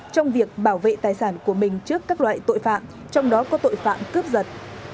trong việc bảo vệ tài sản của mình trước các loại tội phạm trong đó có tội phạm cướp giật